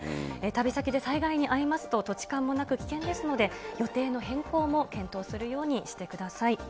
旅先で災害に遭いますと、土地勘もなく危険ですので、予定の変更も検討するようにしてください。